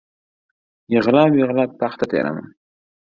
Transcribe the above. Yig‘lab-yig‘lab… paxta teraman!